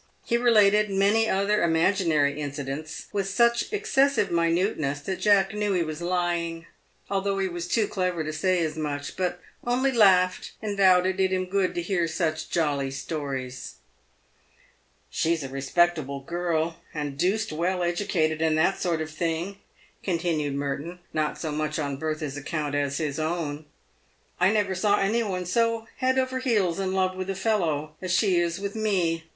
He related many other imaginary incidents with such excessive minuteness, that Jack knew he was lying, although he was too clever to say as much, but only laughed, and vowed it did him good to hear such jolly stories. " She's a respectable girl, and deuced well educated, and that sort of thing," continued Merton, not so much on Bertha's account as his own. " I never saw any one so head over ears in love with a fellow as she is with me.